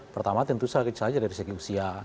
pertama tentu saja dari segi usia